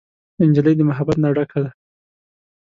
نجلۍ د محبت نه ډکه ده.